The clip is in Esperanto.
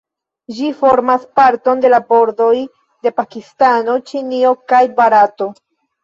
Ĝi formas parton da la bordoj de Pakistano, Ĉinio, kaj Barato.